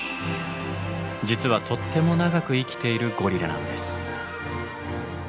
実はとっても長く生きているゴリラなんです。